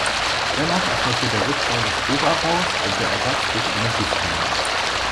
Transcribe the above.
Danach erfolgte der Rückbau des Oberbaus und der Ersatz durch eine Buslinie.